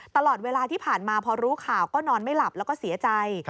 ตลอดเวลาที่ผ่านมาพอรู้ข่าวก็นอนไม่หลับแล้วก็เสียใจ